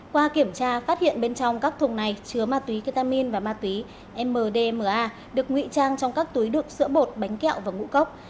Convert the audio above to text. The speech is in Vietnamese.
qua kiểm tra phát hiện bên trong các thùng này chứa ma túy ketamin và ma túy mdma được ngụy trang trong các túi đựng sữa bột bánh kẹo và ngũ cốc